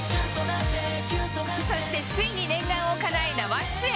そして、ついに念願をかなえ生出演。